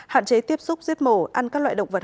hạn chế tiếp xúc giết mổ ăn các loại động vật